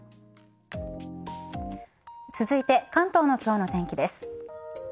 続いて、関東の今日の天気です。